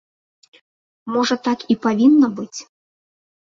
Можа, так і павінна быць?